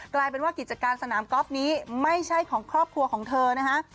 กลายเป็นว่ากิจการสนามกอล์ฟนี้ไม่ใช่ของครอบครัวของเธอนะฮะ